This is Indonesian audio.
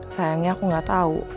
sayangnya aku gak tau